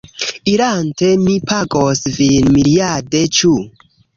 Irante, mi pagos vin miriade. Ĉu?